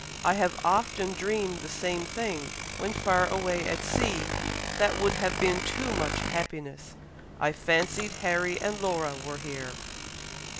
I have often dreamed the same thing, when far away at sea, that would have been too much happiness! I fancied Harry and Laura were here!"